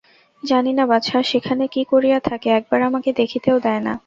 জানি না, বাছা সেখানে কি করিয়া থাকে, একবার আমাকে দেখিতেও দেয় না!